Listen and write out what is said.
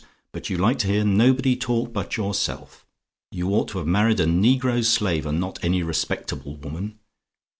But you like to hear nobody talk but yourself. You ought to have married a negro slave, and not any respectable woman.